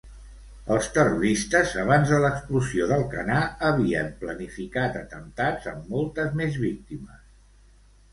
Els terroristes, abans de l'explosió d'Alcanar, havien planificat atemptats amb moltes més víctimes.